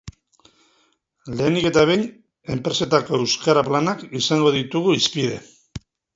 Lehenik eta behin, enpresetako euskara planak izango ditugu hizpide.